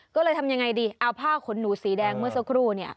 ก็เลยทำยังไงดีเอาผ้าขนหนูสีแดงเมื่อสักครู่เนี่ย